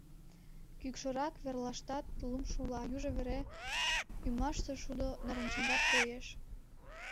Кӱкшырак верлаштат лум шула, южо вере ӱмашсе шудо нарынчынрак коеш.